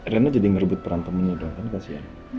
rena jadi ngerebut peran temennya kan kasihan